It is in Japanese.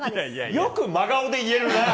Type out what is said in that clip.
よく真顔で言えるな。